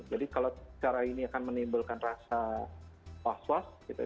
jadi kalau cara ini akan menimbulkan rasa was was gitu